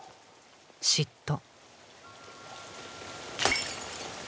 嫉妬。